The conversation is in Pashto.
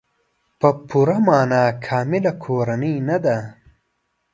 په پوره معنا کامله کورنۍ نه ده.